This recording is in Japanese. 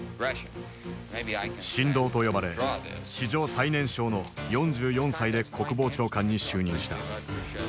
神童と呼ばれ史上最年少の４４歳で国防長官に就任した。